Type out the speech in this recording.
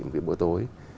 một cái bữa tối